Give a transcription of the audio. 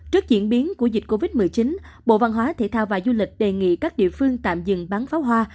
trước diễn biến của dịch covid một mươi chín bộ văn hóa thể thao và du lịch đề nghị các địa phương tạm dừng bắn pháo hoa